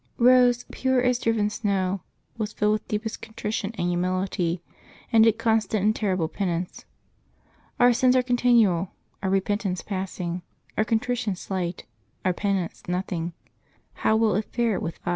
— Rose, pure as driven snow, was filled with deepest contrition and humility, and did constant and terrible penance. Our sins are continual, our repentance passing, our contrition slight, our penance nothing. How will it fare with us